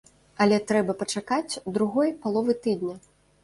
Але трэба пачакаць другой паловы тыдня.